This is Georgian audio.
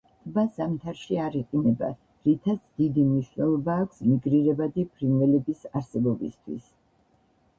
ტბა ზამთარში არ იყინება, რითაც დიდი მნიშვნელობა აქვს მიგრირებადი ფრინველების არსებობისთვის.